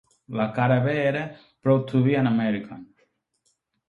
La cara B era "Proud to Be an American".